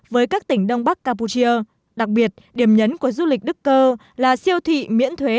với các tỉnh đông bắc campuchia đặc biệt điểm nhấn của du lịch đức cơ là siêu thị miễn thuế